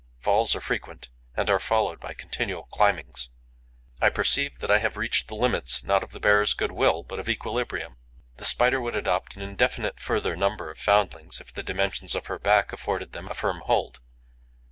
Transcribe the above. Falls are frequent and are followed by continual climbings. I perceive that I have reached the limits not of the bearer's good will, but of equilibrium. The Spider would adopt an indefinite further number of foundlings, if the dimensions of her back afforded them a firm hold.